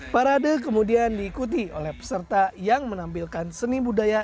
parade kemudian diikuti oleh peserta yang menampilkan seni budaya